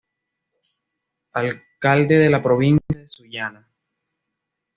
Alcalde de la Provincia de Sullana.